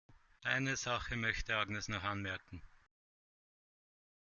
Eine Sache möchte Agnes noch anmerken.